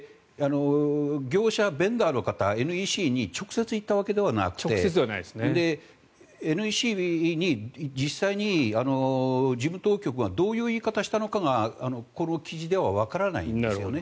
業者、ベンダーの方、ＮＥＣに直接言ったわけではなくてＮＥＣに実際に事務当局がどういう言い方をしたのかがこの記事ではわからないんですよね。